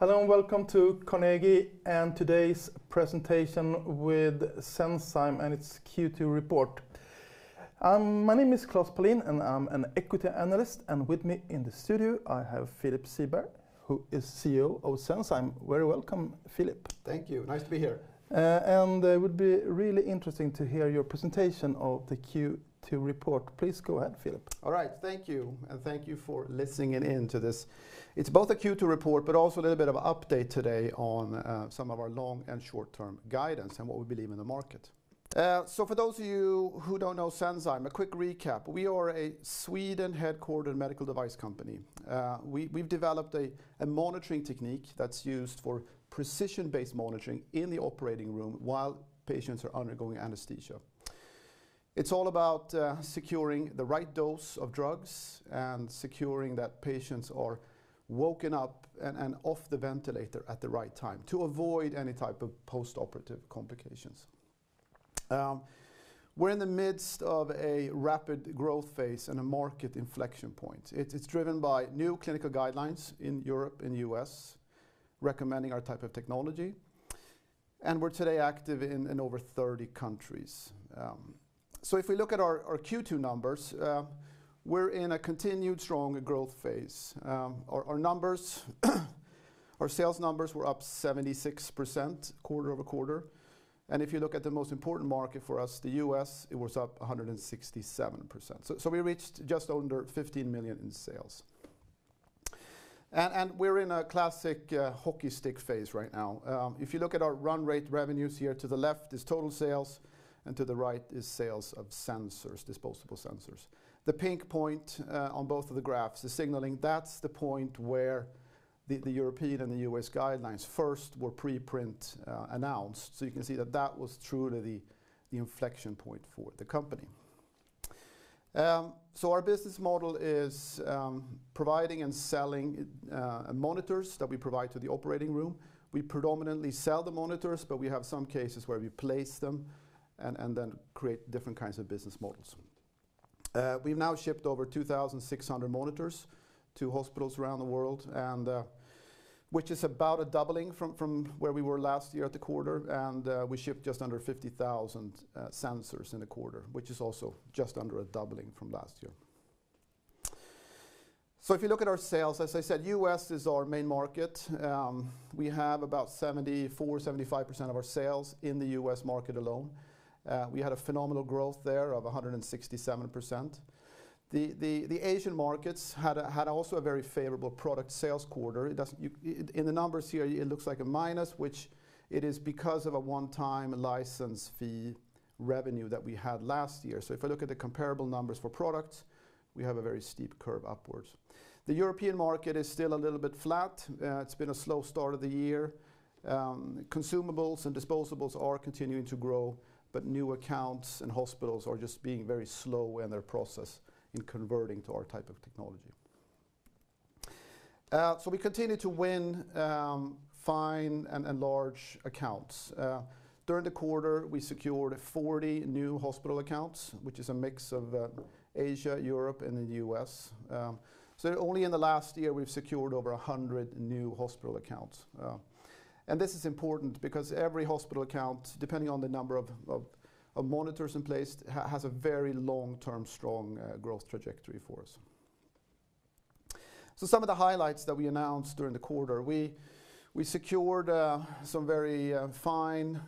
Hello and welcome to Carnegie and today's presentation with Senzime and its Q2 report. My name is Claes Pollin, and I'm an equity analyst, and with me in the studio, I have Philip Siberg, who is CEO of Senzime. Very welcome, Philip. Thank you. Nice to be here. And it would be really interesting to hear your presentation of the Q2 report. Please go ahead, Philip. All right. Thank you, and thank you for listening in to this. It's both a Q2 report, but also a little bit of an update today on some of our long and short-term guidance and what we believe in the market. So for those of you who don't know Senzime, a quick recap. We are a Sweden-headquartered medical device company. We've developed a monitoring technique that's used for precision-based monitoring in the operating room while patients are undergoing anesthesia. It's all about securing the right dose of drugs and securing that patients are woken up and off the ventilator at the right time to avoid any type of postoperative complications. We're in the midst of a rapid growth phase and a market inflection point. It's driven by new clinical guidelines in Europe and U.S., recommending our type of technology, and we're today active in over thirty countries. So if we look at our Q2 numbers, we're in a continued strong growth phase. Our numbers, our sales numbers were up 76% quarter-over-quarter, and if you look at the most important market for us, the U.S., it was up 167%. So we reached just under 15 million in sales. And we're in a classic hockey stick phase right now. If you look at our run rate revenues here, to the left is total sales, and to the right is sales of sensors, disposable sensors. The pink point on both of the graphs is signaling that's the point where the European and the U.S. guidelines first were preprint announced. So you can see that that was truly the inflection point for the company. Our business model is providing and selling monitors that we provide to the operating room. We predominantly sell the monitors, but we have some cases where we place them and then create different kinds of business models. We've now shipped over two thousand six hundred monitors to hospitals around the world, and which is about a doubling from where we were last year at the quarter, and we shipped just under fifty thousand sensors in the quarter, which is also just under a doubling from last year. If you look at our sales, as I said, U.S. is our main market. We have about 74-75% of our sales in the U.S. market alone. We had a phenomenal growth there of 167%. The Asian markets had also a very favorable product sales quarter. In the numbers here, it looks like a minus, which it is because of a one-time license fee revenue that we had last year. If I look at the comparable numbers for products, we have a very steep curve upwards. The European market is still a little bit flat. It's been a slow start of the year. Consumables and disposables are continuing to grow, but new accounts and hospitals are just being very slow in their process in converting to our type of technology. So we continue to win fine and large accounts. During the quarter, we secured 40 new hospital accounts, which is a mix of Asia, Europe, and the U.S. So only in the last year, we've secured over 100 new hospital accounts, and this is important because every hospital account, depending on the number of monitors in place, has a very long-term, strong growth trajectory for us. So some of the highlights that we announced during the quarter, we secured some very fine,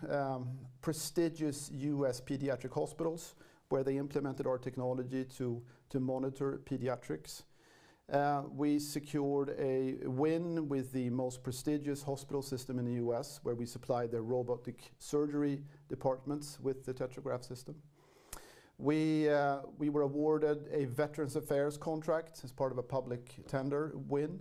prestigious U.S. pediatric hospitals, where they implemented our technology to monitor pediatrics. We secured a win with the most prestigious hospital system in the US, where we supplied their robotic surgery departments with the TetraGraph system. We were awarded a Veterans Affairs contract as part of a public tender win.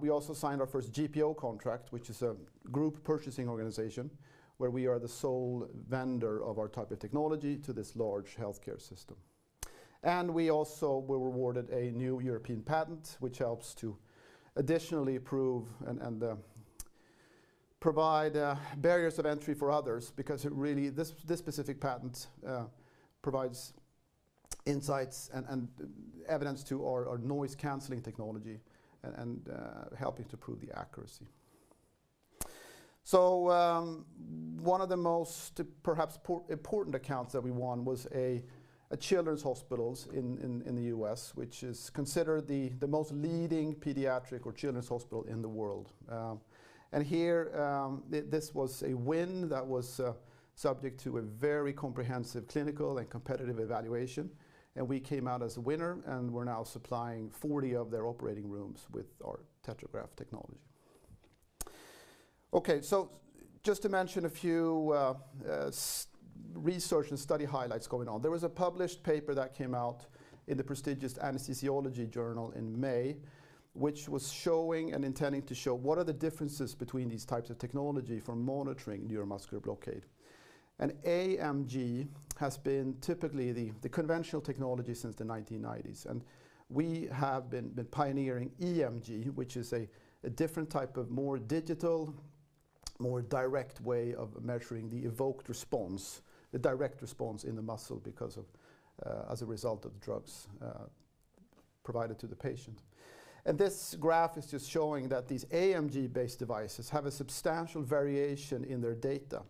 We also signed our first GPO contract, which is a group purchasing organization, where we are the sole vendor of our type of technology to this large healthcare system. And we also were awarded a new European patent, which helps to additionally approve and provide barriers of entry for others, because it really this specific patent provides insights and evidence to our noise-canceling technology and helping to prove the accuracy. So one of the most perhaps important accounts that we won was a children's hospitals in the U.S., which is considered the most leading pediatric or children's hospital in the world. Here, this was a win that was subject to a very comprehensive clinical and competitive evaluation, and we came out as a winner, and we're now supplying 40 of their operating rooms with our TetraGraph technology. Okay. So just to mention a few research and study highlights going on. There was a published paper that came out in the prestigious Anesthesiology journal in May, which was showing and intending to show what are the differences between these types of technology for monitoring neuromuscular blockade. AMG has been typically the conventional technology since the 1990s, and we have been pioneering EMG, which is a different type of more digital, more direct way of measuring the evoked response, the direct response in the muscle because of as a result of the drugs provided to the patient. This graph is just showing that these AMG-based devices have a substantial variation in their data,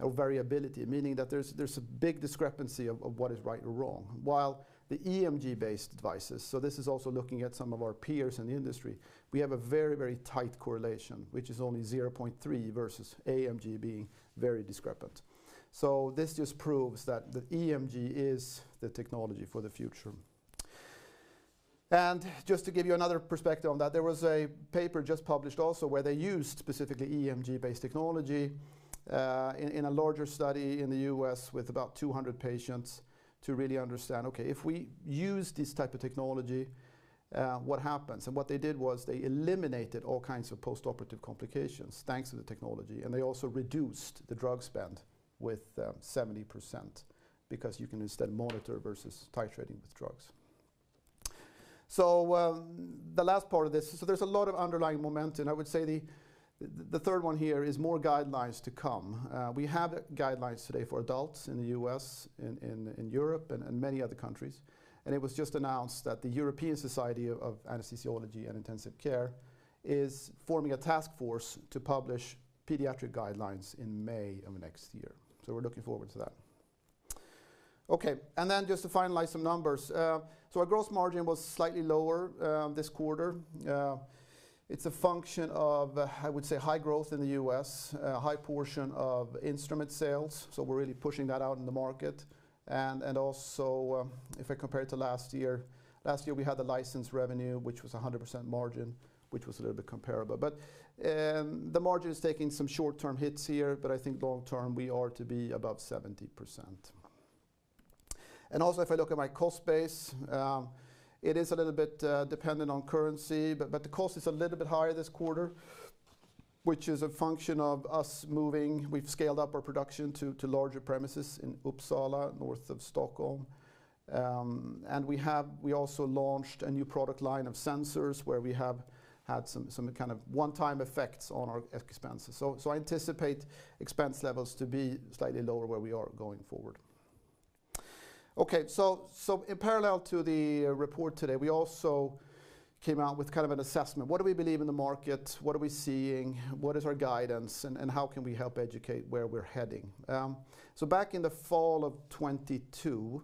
or variability, meaning that there's a big discrepancy of what is right or wrong, while the EMG-based devices, so this is also looking at some of our peers in the industry, we have a very, very tight correlation, which is only zero point three versus AMG being very discrepant. This just proves that the EMG is the technology for the future. Just to give you another perspective on that, there was a paper just published also, where they used specifically EMG-based technology in a larger study in the U.S. with about two hundred patients, to really understand, okay, if we use this type of technology, what happens? And what they did was they eliminated all kinds of postoperative complications, thanks to the technology, and they also reduced the drug spend with 70%, because you can instead monitor versus titrating with drugs. So, the last part of this, so there's a lot of underlying momentum. I would say the third one here is more guidelines to come. We have guidelines today for adults in the U.S., in Europe, and many other countries. And it was just announced that the European Society of Anaesthesiology and Intensive Care is forming a task force to publish pediatric guidelines in May of next year. So we're looking forward to that. Okay, and then just to finalize some numbers. So our gross margin was slightly lower this quarter. It's a function of, I would say, high growth in the U.S., high portion of instrument sales, so we're really pushing that out in the market. And also, if I compare it to last year, we had the license revenue, which was a 100% margin, which was a little bit comparable. But, the margin is taking some short-term hits here, but I think long term, we are to be above 70%. And also, if I look at my cost base, it is a little bit dependent on currency, but the cost is a little bit higher this quarter, which is a function of us moving. We've scaled up our production to larger premises in Uppsala, north of Stockholm. We also launched a new product line of sensors, where we have had some kind of one-time effects on our expenses. So I anticipate expense levels to be slightly lower where we are going forward. Okay, so in parallel to the report today, we also came out with kind of an assessment. What do we believe in the market? What are we seeing? What is our guidance, and how can we help educate where we're heading? So back in the fall of 2022,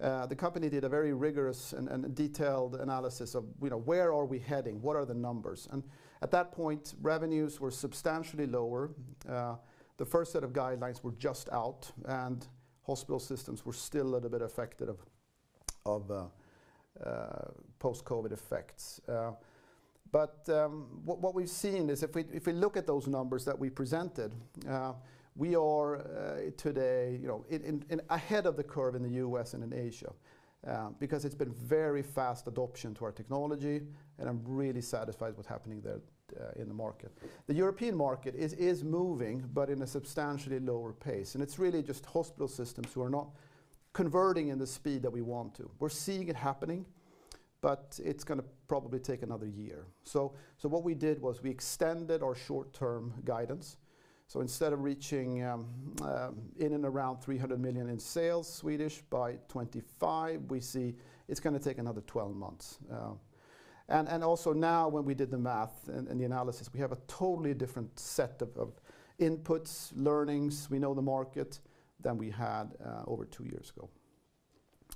the company did a very rigorous and detailed analysis of, you know, where are we heading, what are the numbers? And at that point, revenues were substantially lower. The first set of guidelines were just out, and hospital systems were still a little bit affected of post-COVID effects. But what we've seen is if we look at those numbers that we presented, we are today, you know, ahead of the curve in the U.S. and in Asia, because it's been very fast adoption to our technology, and I'm really satisfied with what's happening there in the market. The European market is moving, but in a substantially lower pace, and it's really just hospital systems who are not converting in the speed that we want to. We're seeing it happening, but it's gonna probably take another year. So what we did was we extended our short-term guidance. So instead of reaching in and around 300 million in sales by 2025, we see it's gonna take another twelve months. And also now, when we did the math and the analysis, we have a totally different set of inputs, learnings. We know the market than we had over two years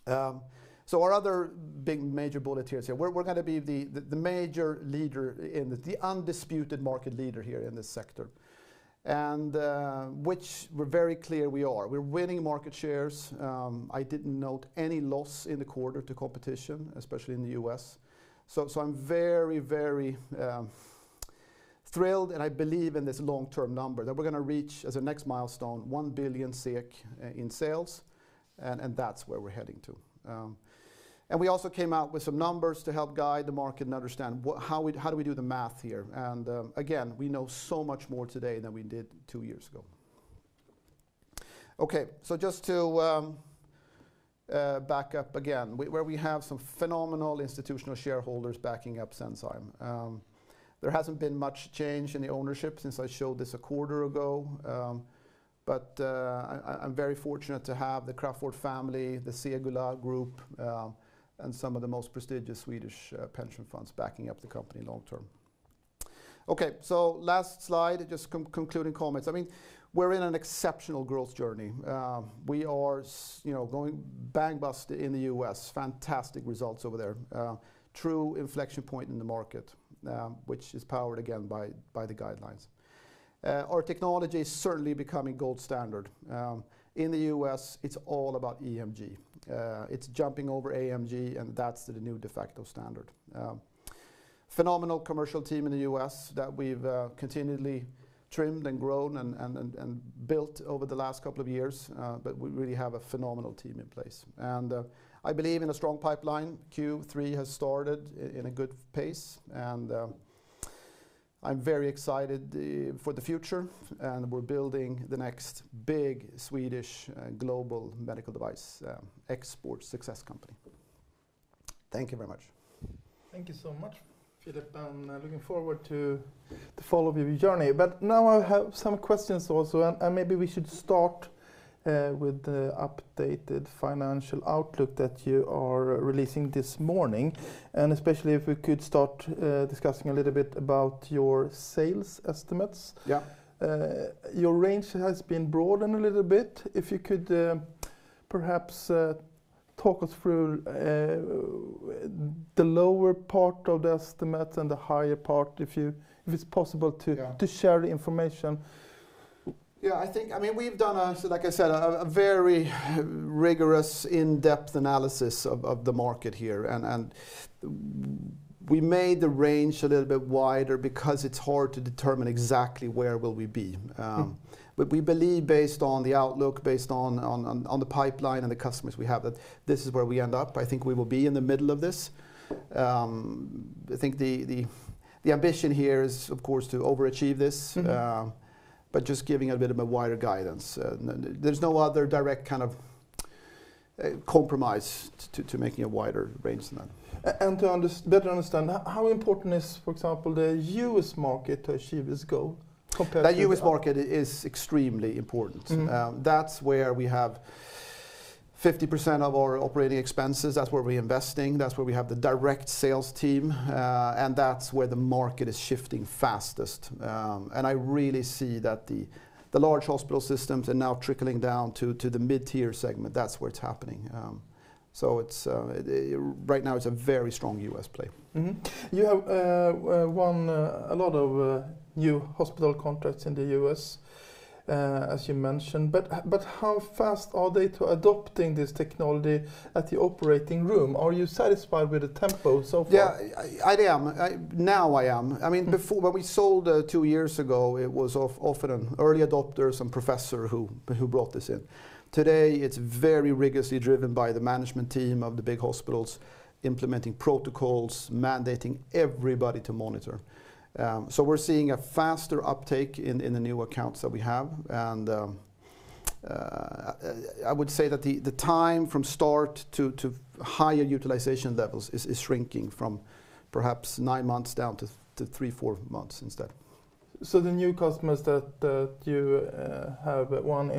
ago. So our other big major bullet here is here. We're gonna be the major leader in the undisputed market leader here in this sector, and which we're very clear we are. We're winning market shares. I didn't note any loss in the quarter to competition, especially in the U.S. So I'm very very thrilled, and I believe in this long-term number that we're gonna reach, as a next milestone, one billion SEK in sales, and that's where we're heading to. And we also came out with some numbers to help guide the market and understand how we, how do we do the math here. And, again, we know so much more today than we did two years ago. Okay, so just to back up again, where we have some phenomenal institutional shareholders backing up Senzime. There hasn't been much change in the ownership since I showed this a quarter ago, but I’m very fortunate to have the Crafoord family, the Segulah Group, and some of the most prestigious Swedish pension funds backing up the company long term. Okay, so last slide, just concluding comments. I mean, we're in an exceptional growth journey. We are, you know, going gangbusters in the U.S. Fantastic results over there. True inflection point in the market, which is powered again by the guidelines. Our technology is certainly becoming gold standard. In the U.S., it's all about EMG. It's jumping over AMG, and that's the new de facto standard. Phenomenal commercial team in the U.S. that we've continually trimmed and grown and built over the last couple of years, but we really have a phenomenal team in place, and I believe in a strong pipeline. Q3 has started in a good pace, and I'm very excited for the future, and we're building the next big Swedish global medical device export success company. Thank you very much. Thank you so much, Philip. I'm looking forward to follow your journey. But now I have some questions also, and maybe we should start with the updated financial outlook that you are releasing this morning, and especially if we could start discussing a little bit about your sales estimates. Yeah. Your range has been broadened a little bit. If you could, perhaps, talk us through the lower part of the estimate and the higher part, if it's possible to- Yeah... to share the information. Yeah, I think, I mean, we've done, so like I said, a very rigorous in-depth analysis of the market here, and we made the range a little bit wider because it's hard to determine exactly where we will be. Mm. But we believe based on the outlook, based on the pipeline and the customers we have, that this is where we end up. I think we will be in the middle of this. I think the ambition here is, of course, to overachieve this. Mm-hmm. But just giving a bit of a wider guidance, and there's no other direct kind of compromise to making a wider range than that. And to better understand how important is, for example, the U.S. market to achieve this goal compared to- The U.S. market is extremely important. Mm-hmm. That's where we have 50% of our operating expenses, that's where we're investing, that's where we have the direct sales team, and that's where the market is shifting fastest, and I really see that the large hospital systems are now trickling down to the mid-tier segment. That's where it's happening, so it's right now, it's a very strong U.S. play. Mm-hmm. You have won a lot of new hospital contracts in the U.S., as you mentioned, but how fast are they to adopting this technology at the operating room? Are you satisfied with the tempo so far? Yeah, now I am. Mm. I mean, before, when we sold two years ago, it was often an early adopter, some professor who brought this in. Today, it's very rigorously driven by the management team of the big hospitals, implementing protocols, mandating everybody to monitor. So we're seeing a faster uptake in the new accounts that we have, and I would say that the time from start to higher utilization levels is shrinking from perhaps nine months down to three, four months instead. So the new customers that you have won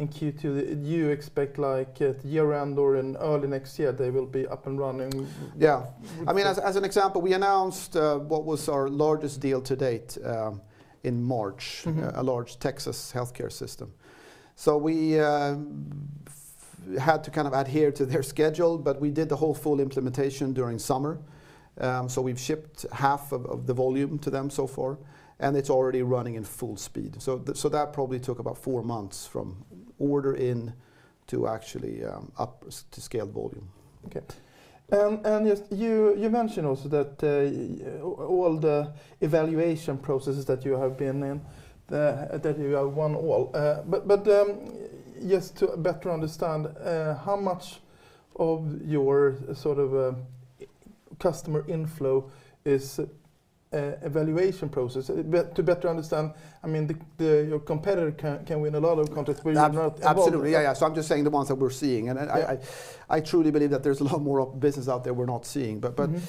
in Q2, you expect, like, at year-end or in early next year, they will be up and running? Yeah. With- I mean, as an example, we announced what was our largest deal to date in March. Mm-hmm. A large Texas healthcare system. We had to kind of adhere to their schedule, but we did the whole full implementation during summer. We've shipped half of the volume to them so far, and it's already running in full speed. That probably took about four months from order in to actually up to scale volume. Okay. And you mentioned also that all the evaluation processes that you have been in that you have won all. But just to better understand how much of your sort of customer inflow is a evaluation process? To better understand, I mean, your competitor can win a lot of contracts where you're not involved. Absolutely, yeah. So I'm just saying the ones that we're seeing, and then I- Yeah... I truly believe that there's a lot more of business out there we're not seeing. Mm-hmm. But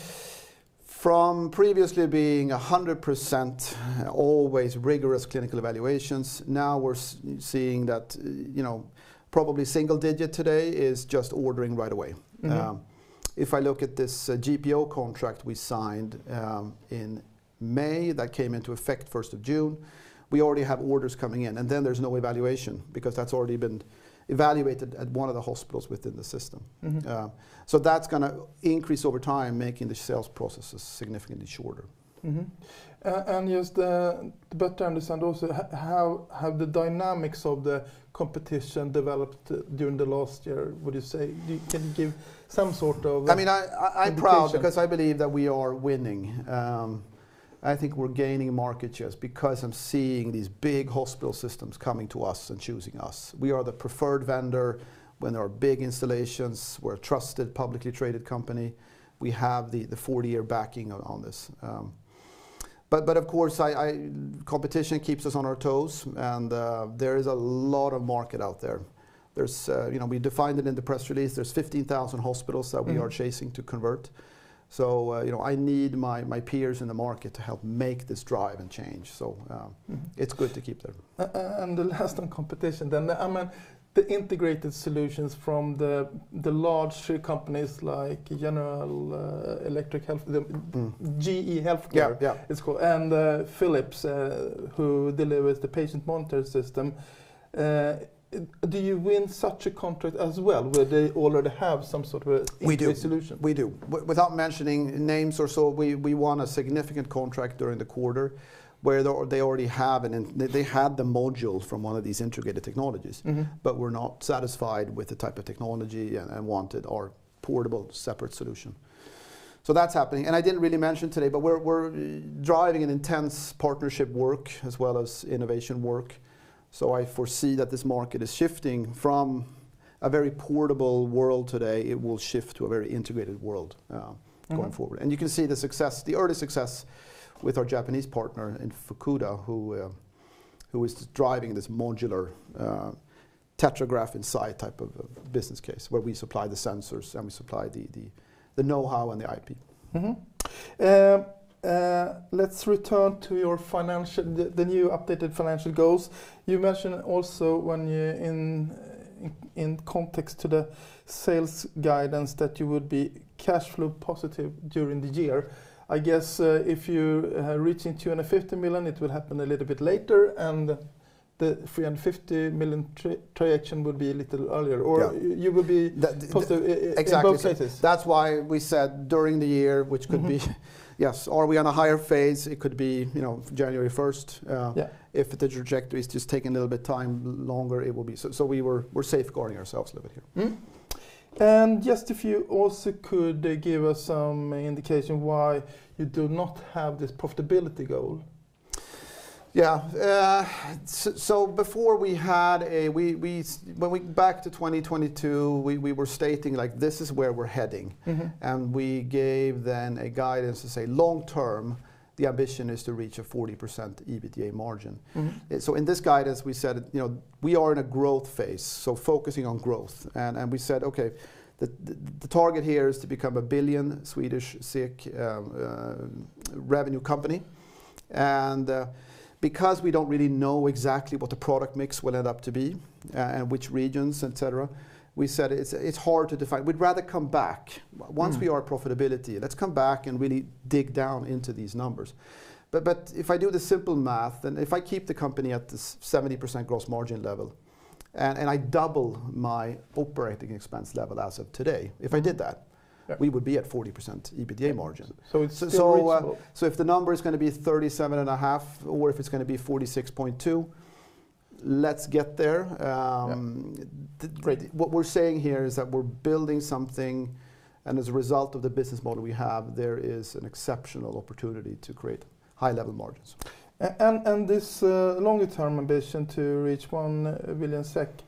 from previously being 100%, always rigorous clinical evaluations, now we're seeing that, you know, probably single digit today is just ordering right away. Mm-hmm. If I look at this GPO contract we signed in May, that came into effect 1st of June, we already have orders coming in, and then there's no evaluation because that's already been evaluated at one of the hospitals within the system. Mm-hmm. So that's gonna increase over time, making the sales processes significantly shorter. Mm-hmm. And just to better understand also, how the dynamics of the competition developed during the last year, would you say? Can you give some sort of- I mean.... competition I'm proud because I believe that we are winning. I think we're gaining market shares because I'm seeing these big hospital systems coming to us and choosing us. We are the preferred vendor when there are big installations. We're a trusted, publicly traded company. We have the 40-year backing on this, but of course, competition keeps us on our toes, and there is a lot of market out there. There's you know, we defined it in the press release. There's 15,000 hospitals- Mm... that we are chasing to convert. So, you know, I need my peers in the market to help make this drive and change. So- Mm-hmm... it's good to keep them. and the last on competition, then, I mean, the integrated solutions from the large three companies like GE Healthcare, the- Mm... GE Healthcare- Yeah, yeah.. it's called Philips, who delivers the patient monitoring system, do you win such a contract as well, where they already have some sort of a integrated solution? We do. We do. Without mentioning names or so, we, we won a significant contract during the quarter, where they already have an, they had the modules from one of these integrated technologies- Mm-hmm... but were not satisfied with the type of technology and wanted our portable separate solution, so that's happening, and I didn't really mention today, but we're driving an intense partnership work as well as innovation work, so I foresee that this market is shifting from a very portable world today, it will shift to a very integrated world. Mm-hmm... going forward. And you can see the success- the early success with our Japanese partner in Fukuda, who is driving this modular TetraGraph inside type of business case, where we supply the sensors, and we supply the know-how on the IP. Mm-hmm. Let's return to your financial- the new updated financial goals. You mentioned also in context to the sales guidance, that you would be cash flow positive during the year. I guess, if you reaching 250 million, it will happen a little bit later, and the 350 million transaction would be a little earlier- Yeah... or you will be- That- positive in both cases? Exactly. That's why we said, during the year- Mm-hmm... which could be yes. Are we on a higher phase? It could be, you know, January 1st, Yeah... if the trajectory is just taking a little bit longer, it will be. We're safeguarding ourselves a little bit here. And just if you also could give us some indication why you do not have this profitability goal? Yeah. So, before we had, when we back to 2022, we were stating, like, this is where we're heading. Mm-hmm. We gave then a guidance to say, long term, the ambition is to reach a 40% EBITDA margin. Mm-hmm. So in this guidance, we said, you know, we are in a growth phase, so focusing on growth. And we said, okay, the target here is to become a 1 billion revenue company. And because we don't really know exactly what the product mix will end up to be, and which regions, et cetera, we said it's hard to define. We'd rather come back. Mm. Once we are profitable, let's come back and really dig down into these numbers. But, but if I do the simple math, then if I keep the company at this 70% gross margin level, and, and I double my operating expense level as of today, if I did that- Yeah... we would be at 40% EBITDA margin. It's still reachable. If the number is gonna be 37.5 or if it's gonna be 46.2, let's get there. Yeah. Great. What we're saying here is that we're building something, and as a result of the business model we have, there is an exceptional opportunity to create high-level margins. this longer-term ambition to reach 1 billion SEK in sales,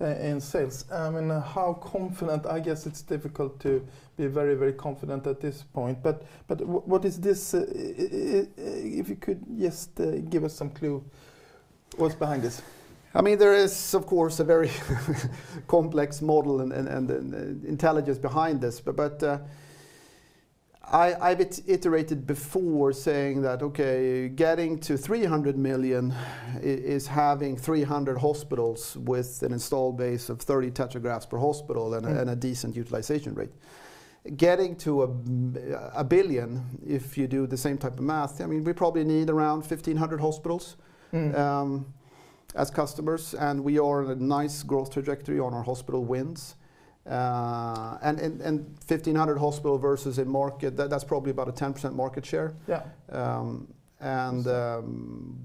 I mean, how confident... I guess it's difficult to be very, very confident at this point, but what is this? If you could just give us some clue what's behind this. I mean, there is, of course, a very complex model and intelligence behind this, but I've iterated before saying that, okay, getting to 300 million is having 300 hospitals with an installed base of 30 TetraGraphs per hospital- Mm... and a decent utilization rate. Getting to 1 billion, if you do the same type of math, I mean, we probably need around 1,500 hospitals- Mm... as customers, and we are in a nice growth trajectory on our hospital wins. And 1,500 hospitals versus a market, that's probably about a 10% market share. Yeah. Um, and um-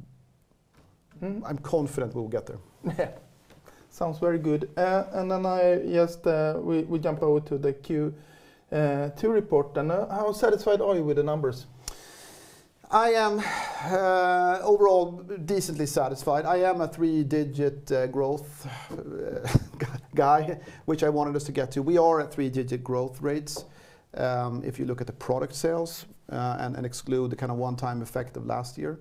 Mm... I'm confident we'll get there. Sounds very good. And then we jump over to the Q2 report. And how satisfied are you with the numbers? I am overall decently satisfied. I am a three-digit growth guy, which I wanted us to get to. We are at three-digit growth rates, if you look at the product sales, and exclude the kind of one-time effect of last year.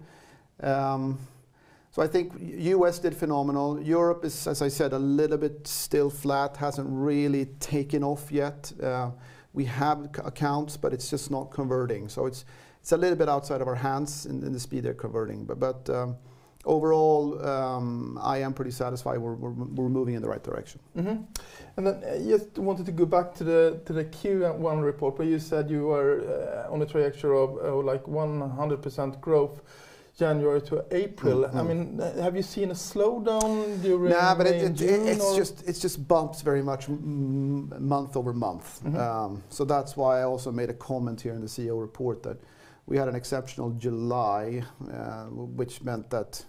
So I think U.S. did phenomenal. Europe is, as I said, a little bit still flat, hasn't really taken off yet. We have accounts, but it's just not converting. So it's a little bit outside of our hands in the speed they're converting. But overall, I am pretty satisfied we're moving in the right direction. Mm-hmm. And then, just wanted to go back to the Q1 report, where you said you were on a trajectory of like 100% growth January to April. Mm, mm. I mean, have you seen a slowdown during? No, but it-... June, or? It's just bumped very much month over month. Mm-hmm. So that's why I also made a comment here in the CEO report that we had an exceptional July, which meant that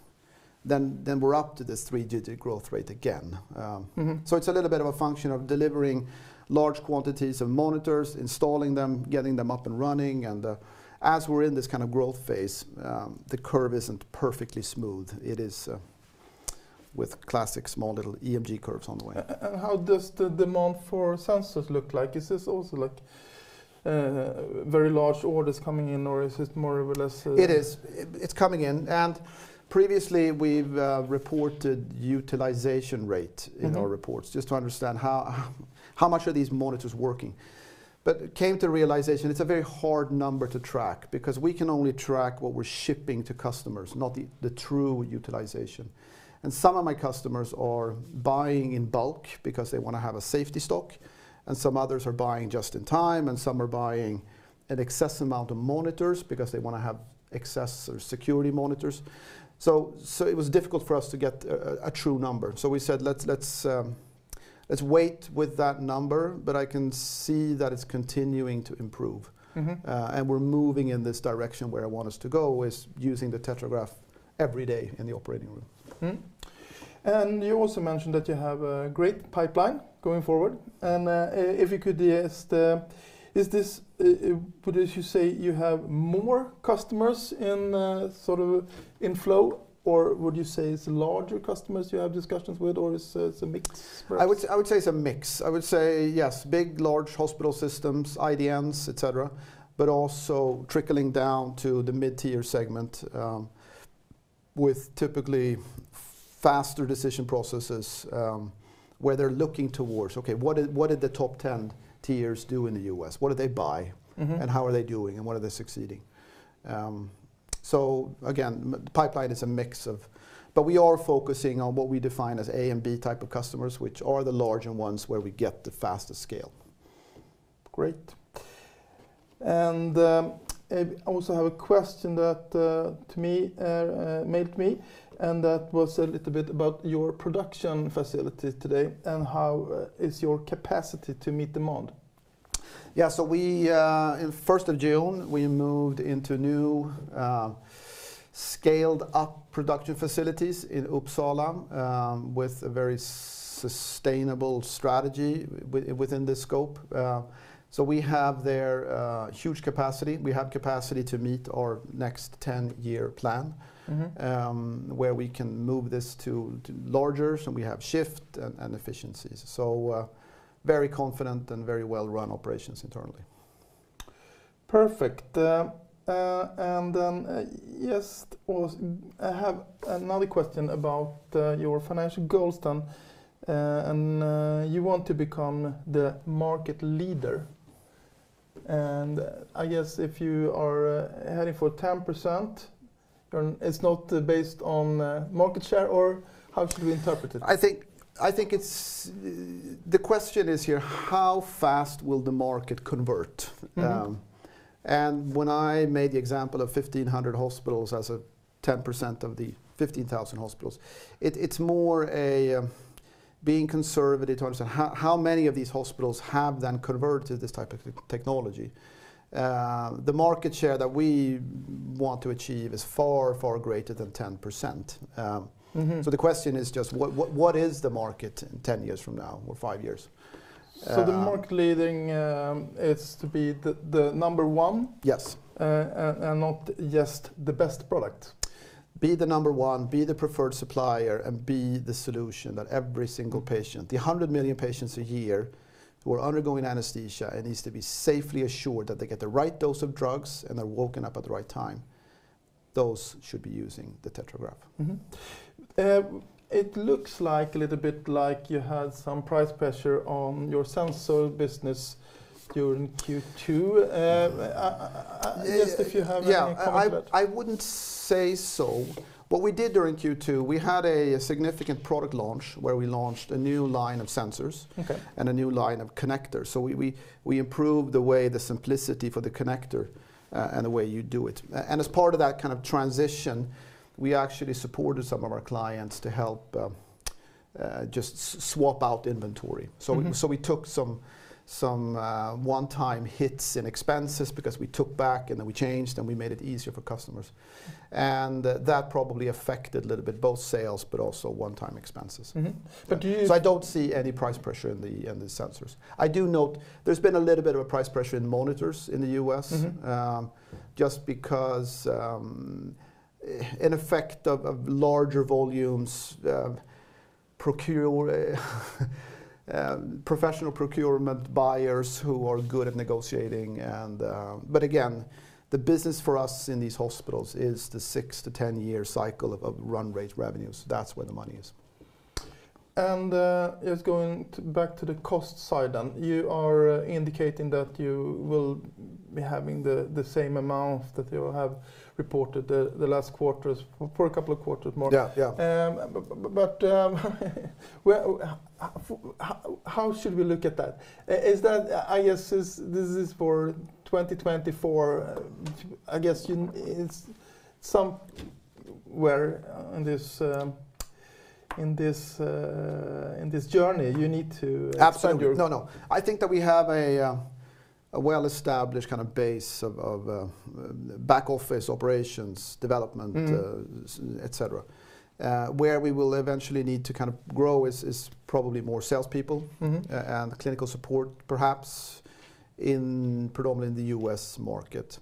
then we're up to this three-digit growth rate again. Mm-hmm... so it's a little bit of a function of delivering large quantities of monitors, installing them, getting them up and running, and, as we're in this kind of growth phase, the curve isn't perfectly smooth. It is, with classic small little EMG curves on the way. And how does the demand for sensors look like? Is this also, like, very large orders coming in, or is it more or less, It is. It's coming in, and previously we've reported utilization rate- Mm-hmm... in our reports, just to understand how much are these monitors working. But came to realization it's a very hard number to track, because we can only track what we're shipping to customers, not the true utilization. And some of my customers are buying in bulk because they want to have a safety stock, and some others are buying just in time, and some are buying an excess amount of monitors because they want to have excess or security monitors. So it was difficult for us to get a true number. So we said, "Let's wait with that number," but I can see that it's continuing to improve. Mm-hmm. And we're moving in this direction where I want us to go, is using the TetraGraph every day in the operating room. Mm-hmm. And you also mentioned that you have a great pipeline going forward, and, if you could just... Is this, would you say you have more customers in sort of inflow, or would you say it's larger customers you have discussions with, or it's a mix perhaps? I would say it's a mix. I would say, yes, big, large hospital systems, IDNs, et cetera, but also trickling down to the mid-tier segment with typically faster decision processes, where they're looking towards, "Okay, what did the top 10 tiers do in the U.S.? What did they buy- Mm-hmm. -and how are they doing, and what are they succeeding? So again, the pipeline is a mix of- but we are focusing on what we define as A and B type of customers, which are the larger ones where we get the fastest scale. Great. And I also have a question that mattered to me, and that was a little bit about your production facility today, and how is your capacity to meet demand? Yeah, so we, in 1st of June, we moved into new scaled-up production facilities in Uppsala with a very sustainable strategy within the scope. So we have there huge capacity. We have capacity to meet our next 10-year plan. Mm-hmm. Where we can move this to larger, so we have shift and efficiencies. So, very confident and very well-run operations internally. Perfect. And then, yes, well, I have another question about your financial goals then. And you want to become the market leader, and I guess if you are heading for 10%, then it's not based on market share, or how should we interpret it? I think the question is here: how fast will the market convert? Mm-hmm. And when I made the example of 1,500 hospitals as a 10% of the 15,000 hospitals, it's more a being conservative to understand how many of these hospitals have then converted this type of technology. The market share that we want to achieve is far, far greater than 10%. Mm-hmm. So the question is just, what is the market in 10 years from now or five years? So the market leading is to be the number one? Yes. Not just the best product? Be the number one, be the preferred supplier, and be the solution that every single patient, the 100 million patients a year, who are undergoing anesthesia and needs to be safely assured that they get the right dose of drugs, and they're woken up at the right time, those should be using the TetraGraph. Mm-hmm. It looks like a little bit like you had some price pressure on your sensor business during Q2. Just if you have any comment. Yeah, I wouldn't say so. What we did during Q2, we had a significant product launch, where we launched a new line of sensors- Okay... and a new line of connectors. So we improved the way, the simplicity for the connector, and the way you do it. And as part of that kind of transition, we actually supported some of our clients to help just swap out inventory. Mm-hmm. So we took some one-time hits and expenses because we took back, and then we changed, and we made it easier for customers. And that probably affected a little bit both sales, but also one-time expenses. Mm-hmm. But do you- So I don't see any price pressure in the sensors. I do note there's been a little bit of a price pressure in monitors in the U.S. Mm-hmm. Just because an effect of larger volumes, professional procurement buyers who are good at negotiating and. But again, the business for us in these hospitals is the six to 10-year cycle of run rate revenues. That's where the money is. Just going back to the cost side, you are indicating that you will be having the same amount that you have reported the last quarters for a couple of quarters more. Yeah. Yeah. But, well, how should we look at that? Is that, I guess, this is for 2024, I guess, you, it's somewhere on this, in this journey, you need to- Absolutely. Expand your- No, no. I think that we have a well-established kind of base of back office operations, development. Mm... et cetera. Where we will eventually need to kind of grow is probably more salespeople- Mm-hmm... and clinical support, perhaps, in predominantly the U.S. market.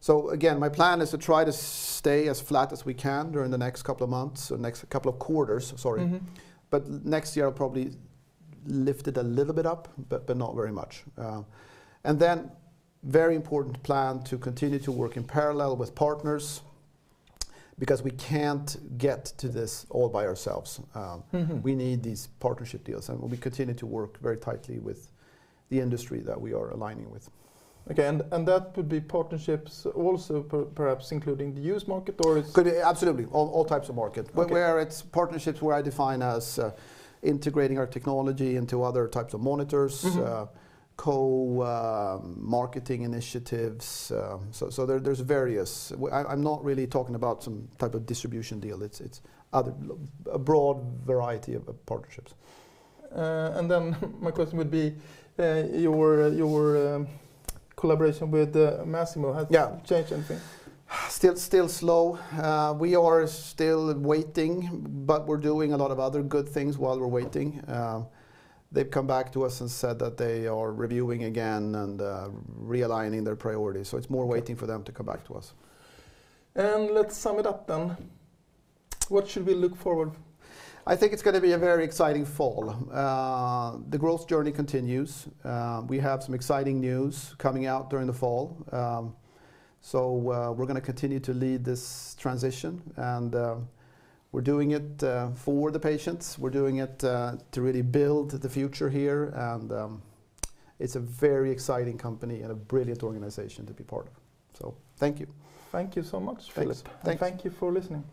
So again, my plan is to try to stay as flat as we can during the next couple of months or next couple of quarters, sorry. Mm-hmm. But next year, I'll probably lift it a little bit up, but not very much. And then very important plan to continue to work in parallel with partners, because we can't get to this all by ourselves. Mm-hmm... we need these partnership deals, and we continue to work very tightly with the industry that we are aligning with. Okay, and that could be partnerships also, perhaps, including the U.S. market, or it's- Could be, absolutely, all, all types of market. Okay. Where, where it's partnerships, where I define as, integrating our technology into other types of monitors- Mm-hmm... co-marketing initiatives. So there's various ways. I'm not really talking about some type of distribution deal. It's other, a broad variety of partnerships. And then my question would be, your collaboration with Masimo- Yeah... has it changed anything? Still, still slow. We are still waiting, but we're doing a lot of other good things while we're waiting. They've come back to us, and said that they are reviewing again and realigning their priorities. So it's more waiting for them to come back to us. Let's sum it up then. What should we look forward? I think it's gonna be a very exciting fall. The growth journey continues. We have some exciting news coming out during the fall. So, we're gonna continue to lead this transition, and, we're doing it, for the patients. We're doing it, to really build the future here, and, it's a very exciting company and a brilliant organization to be part of. So thank you. Thank you so much, Philip. Thanks. Thank you for listening.